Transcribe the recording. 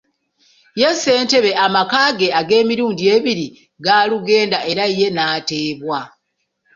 Ye Ssentebe amaka ge ag'emirundi ebiri gaalugenda era ye n'ateebwa.